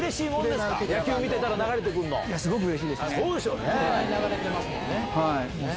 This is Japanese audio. すごくうれしいですね。